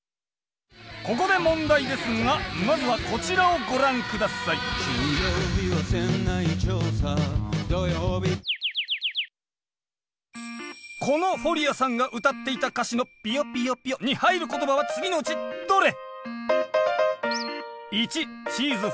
ここで問題ですがまずはこちらをご覧下さいこのフォリアさんが歌っていた歌詞の？に入る言葉は次のうちどれ？